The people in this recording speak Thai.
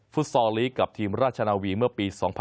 ฟอร์ลีกกับทีมราชนาวีเมื่อปี๒๐๑๖